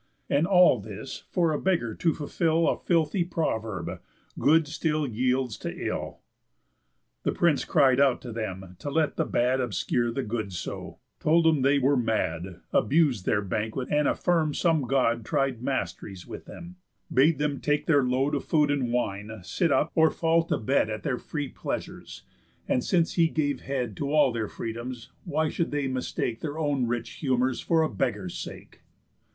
And all this for a beggar to fulfill A filthy proverb: Good still yields to ill. The prince cried out on them, to let the bad Obscure the good so; told them they were mad, Abus'd their banquet, and affirm'd some God Tried mast'ries with them; bade them take their load Of food and wine, sit up, or fall to bed At their free pleasures; and since he gave head To all their freedoms, why should they mistake Their own rich humours for a beggar's sake?